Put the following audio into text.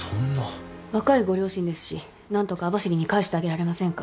若いご両親ですし何とか網走に帰してあげられませんか？